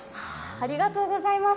ありがとうございます。